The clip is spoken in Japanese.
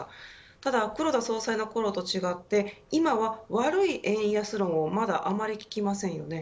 ただ黒田総裁のころと違って、今は悪い円安論をまだあまり聞きませんよね。